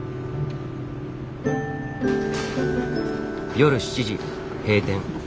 夜７時閉店。